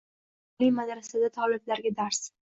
Eng oliy madrasada toliblarga dars